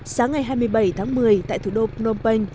sáng ngày hai mươi bảy tháng một mươi tại thủ đô phnom penh